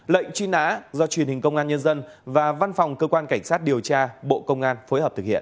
lệnh truy nã do truyền hình công an nhân dân và văn phòng cơ quan cảnh sát điều tra bộ công an phối hợp thực hiện